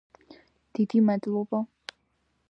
დიდი მადლობა!